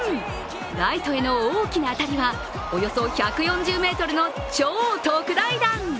ライトへの大きな当たりはおよそ１４０ｍの超特大弾。